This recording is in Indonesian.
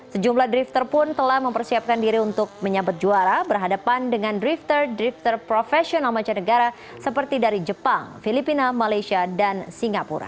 sejumlah drifter pun telah mempersiapkan diri untuk menyabet juara berhadapan dengan drifter drifter profesional mancanegara seperti dari jepang filipina malaysia dan singapura